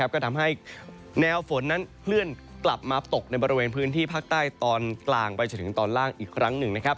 ก็ทำให้แนวฝนนั้นเคลื่อนกลับมาตกในบริเวณพื้นที่ภาคใต้ตอนกลางไปจนถึงตอนล่างอีกครั้งหนึ่ง